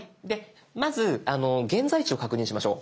まず現在地を確認しましょう。